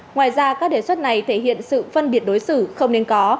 ngoài ra các đề xuất này thể hiện sự phân biệt đối xử không nên có